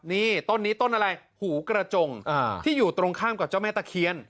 นี่ต้นนี้ต้นอะไรหูกระจงที่อยู่ตรงข้ามกับเจ้าแม่ตะเคียน